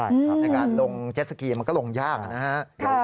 ในการลงเจ็ดสกีมันก็ลงยากนะฮะ